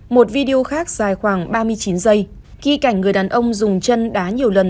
một video khác dài khoảng ba mươi chín giây khi cảnh người đàn ông dùng chân đá nhiều lần